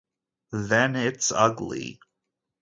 Then it's ugly.